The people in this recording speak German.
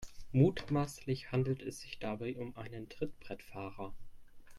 Mutmaßlich handelt es sich dabei um einen Trittbrettfahrer.